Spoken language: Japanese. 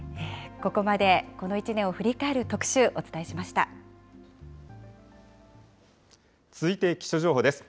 ここまで、この１年を振り返る特続いて気象情報です。